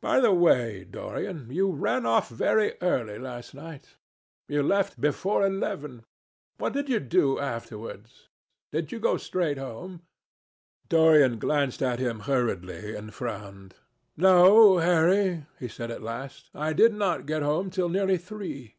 By the way, Dorian, you ran off very early last night. You left before eleven. What did you do afterwards? Did you go straight home?" Dorian glanced at him hurriedly and frowned. "No, Harry," he said at last, "I did not get home till nearly three."